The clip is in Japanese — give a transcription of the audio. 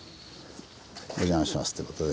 お邪魔しますということで。